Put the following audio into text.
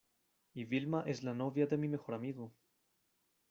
y Vilma es la novia de mi mejor amigo.